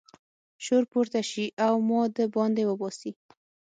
شور پورته شي او ما د باندې وباسي.